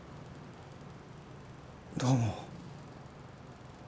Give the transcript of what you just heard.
どうも。